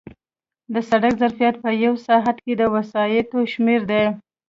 د سړک ظرفیت په یو ساعت کې د وسایطو شمېر دی